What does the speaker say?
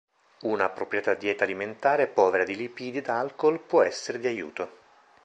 Una appropriata dieta alimentare povera di lipidi ed alcool può essere di aiuto.